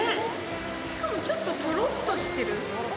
しかもちょっととろっとしてる。